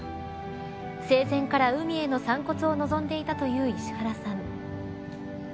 生前から海への散骨を望んでいたという石原さん。